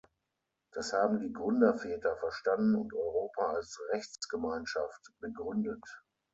Das haben die Gründerväter verstanden und Europa als Rechtsgemeinschaft begründet.